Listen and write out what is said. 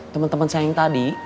temen temen saya yang tadi